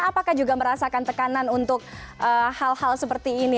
apakah juga merasakan tekanan untuk hal hal seperti ini